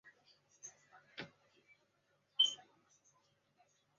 他从威斯康辛大学麦迪逊分校获得学士与硕士学位。